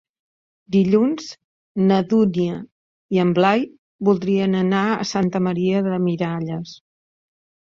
Dilluns na Dúnia i en Blai voldrien anar a Santa Maria de Miralles.